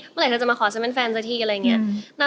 เมื่อไหร่เธอจะมาขอฉันเป็นแฟนสักทีอะไรอย่างนี้